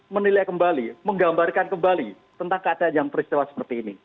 menilai kembali menggambarkan kembali tentang keadaan yang peristiwa seperti ini